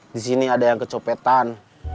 disini ada yang kecopetan